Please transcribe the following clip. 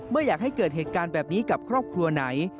ไม่อยากให้เกิดเหตุการณ์แบบนี้กับครอบครัวไหน